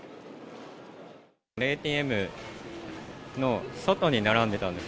ＡＴＭの外に並んでたんです。